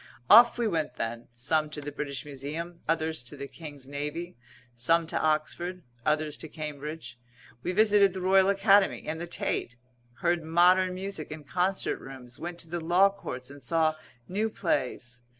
Off we went then, some to the British Museum; others to the King's Navy; some to Oxford; others to Cambridge; we visited the Royal Academy and the Tate; heard modern music in concert rooms, went to the Law Courts, and saw new plays.